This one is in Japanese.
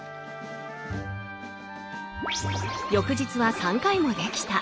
翌日は３回もできた。